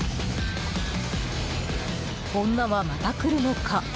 女はまた来るのか。